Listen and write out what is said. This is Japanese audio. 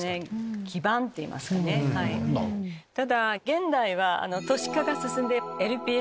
ただ現代は。